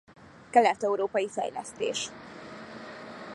Kelet-európai fejlesztés.